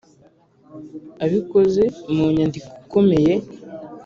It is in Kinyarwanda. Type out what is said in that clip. abikoze mu nyandiko ikomeye.